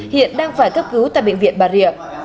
hiện đang phải cấp cứu tại bệnh viện bà rịa